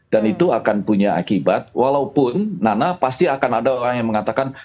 dan itu akan punya akibat walaupun nana pasti akan ada orang yang mengatakan